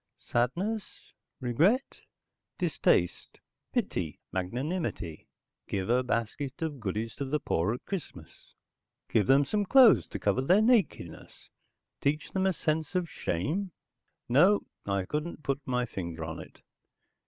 Sadness? Regret? Distaste? Pity? Magnanimity? Give a basket of goodies to the poor at Christmas? Give them some clothes to cover their nakedness? Teach them a sense of shame? No, I couldn't put my finger on it.